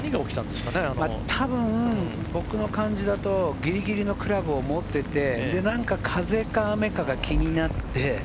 たぶん僕の感じだとギリギリのクラブを持ってて、風か雨かが気になって。